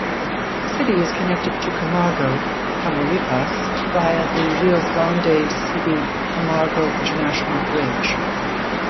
The city is connected to Camargo, Tamaulipas, via the Rio Grande City-Camargo International Bridge.